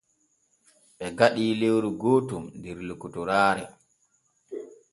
Ɓe gaɗi lewru gooton der lokotoraare.